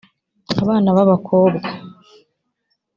abana b’abakobwa